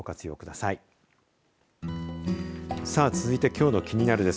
さあ続いて、きょうのキニナル！です